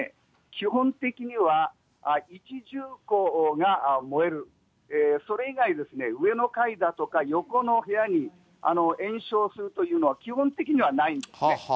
基本的には一住戸が燃える、それ以外、上の階だとか横の部屋に延焼するというのは、基本的にはないんですね。